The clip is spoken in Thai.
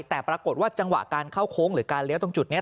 แต่ปรากฏว่าจังหวะการเข้าโค้งหรือการเลี้ยวตรงจุดนี้